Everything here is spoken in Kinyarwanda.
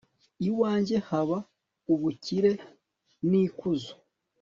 iwanjye haba ubukire n'ikuzo